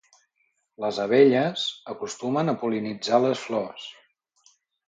Les abelles acostumen a pol·linitzar les flors.